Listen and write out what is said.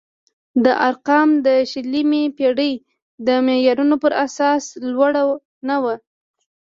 دا ارقام د شلمې پېړۍ د معیارونو پر اساس لوړ نه وو.